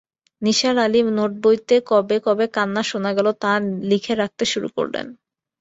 নিসার আলি নোটবইতে কবে কবে কান্না শোনা গেল তা লিখে রাখতে শুরু করলেন।